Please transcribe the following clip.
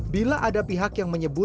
bila ada pihak yang menyebut